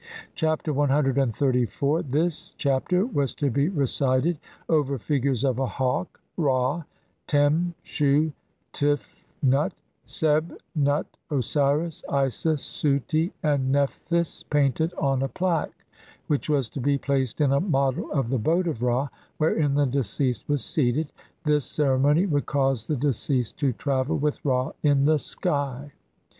Chap. CXXXIV. This Chapter was to be recited over figures of a hawk (Ra), Tem, Shu, Tefnut, Seb, Nut, Osiris, Isis, Suti, and Nephthys painted on a plaque which was to be placed in a model of the boat of Ra wherein the deceased was seated ; this ceremony would cause the deceased to travel with Ra in the sky.